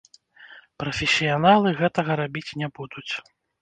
Прафесіяналы гэтага рабіць не будуць.